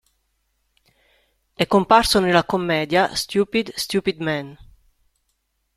È comparso nella commedia "Stupid, Stupid Man".